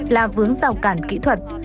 là vướng rào cản kỹ thuật